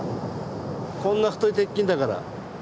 こんな太い鉄筋だから。